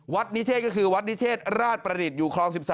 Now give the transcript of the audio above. นิเทศก็คือวัดนิเทศราชประดิษฐ์อยู่คลอง๑๓